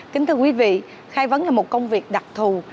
kính thưa quý vị khai vấn là một công việc đặc thù